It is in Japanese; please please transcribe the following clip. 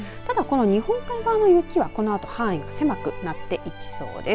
日本海側の雪はこのあと範囲が狭くなっていきそうです。